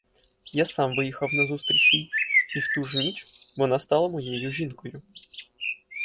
Я сам виїхав назустріч їй, і в ту ж ніч вона стала моєю жінкою.